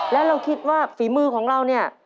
แล้วออโต้เล่นในตำแหน่งอะไรครับ